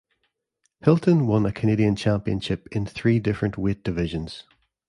Hilton won a Canadian championship in three different weight divisions.